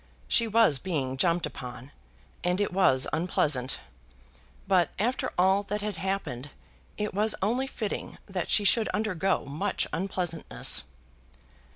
She was being jumped upon, and it was unpleasant; but, after all that had happened, it was only fitting that she should undergo much unpleasantness.